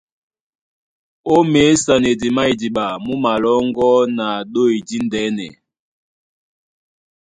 Ó měsanedi má idiɓa. Mú malɔ́ŋgɔ́ na ɗôy díndɛ̄nɛ.